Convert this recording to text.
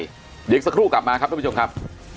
เดี๋ยวอีกสักครู่กลับมาครับทุกผู้ชมครับ